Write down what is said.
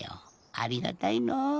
ありがたいのう。